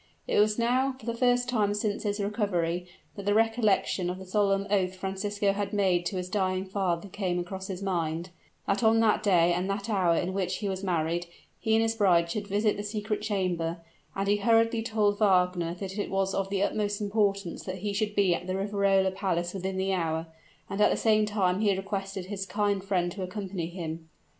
It was now, for the first time since his recovery, that the recollection of the solemn oath Francisco had made to his dying father came across his mind that on that day and that hour in which he was married, he and his bride should visit the secret chamber: and he hurriedly told Wagner that it was of the utmost importance that he should be at the Riverola palace within the hour; and at the same time he requested his kind friend to accompany him.